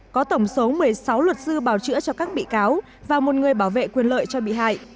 có tổng số một mươi sáu luật sư bảo chữa cho các bị cáo và một người bảo vệ quyền lợi cho bị hại